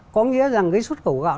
có nghĩa rằng cái xuất khẩu gạo